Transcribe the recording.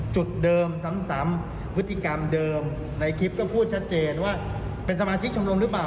จุดเดิมซ้ำพฤติกรรมเดิมในคลิปก็พูดชัดเจนว่าเป็นสมาชิกชมรมหรือเปล่า